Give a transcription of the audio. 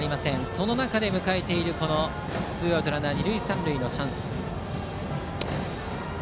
その中で迎えているツーアウト二塁三塁のチャンス。